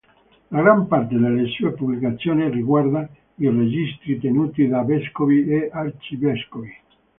La gran parte delle sue pubblicazioni riguarda i registri tenuti da vescovi e arcivescovi.